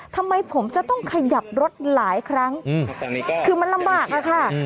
ทำไมผมจะต้องขยับรถหลายครั้งคือมันลำบากอะค่ะ